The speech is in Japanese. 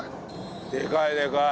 でかいでかい。